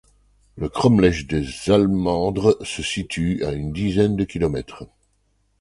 Le cromlech des Almendres se situe à une dizaine de kilomètres.